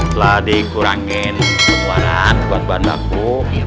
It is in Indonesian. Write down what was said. setelah dikurangin keluaran buat buat aku